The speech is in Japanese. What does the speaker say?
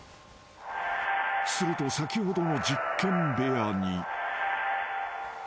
［すると先ほどの実験部屋に］